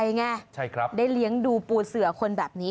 การเจอภาพเขาอิ่มใจไงได้เลี้ยงดูปูเสือคนแบบนี้